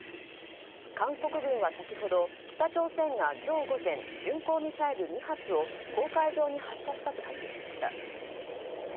韓国軍は先ほど北朝鮮が今日午前巡航ミサイル２発を公海上に発射したと発表しました。